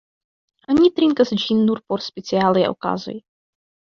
Oni trinkas ĝin nur por specialaj okazoj.